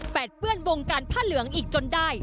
๘เบื้อนวงการพระเหลืองอิกจนได้